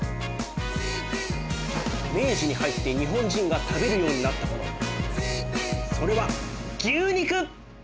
明治に入って日本人が食べるようになったものそれは牛肉！